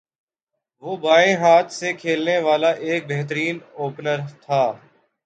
وہ بائیں ہاتھ سےکھیلنے والا ایک بہترین اوپنر تھا